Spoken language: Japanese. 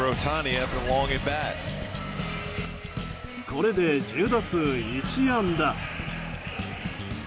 これで１０打数１安打。